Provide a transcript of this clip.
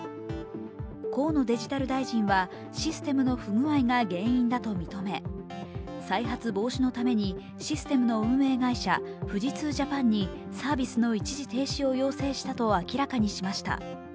河野デジタル大臣はシステムの不具合が原因だと認め、再発防止のためにシステムの運営会社富士通Ｊａｐａｎにサービスの一時停止を要請したと明らかにしました。